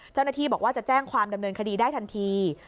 เจ้าหน้าที่บอกว่าจะแจ้งความดำเนินคดีได้ทันที